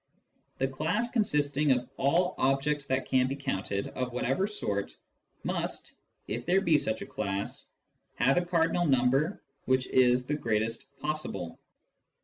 The class consisting of all objects that can be counted, of whatever sort, must, if there be such a class, have a cardinal number which is the greatest possible.